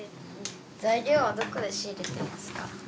材料はどこで仕入れてますか？